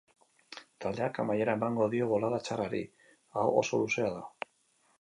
Taldeak amaiera emango dio bolada txarrari, hau oso luzea da.